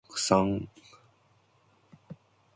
The Chinese spectre had vanished.